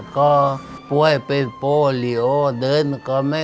ก็ป่วยป่อยเป็นโปเลียสเตอร์อ่ะเดินก็ไม่ได้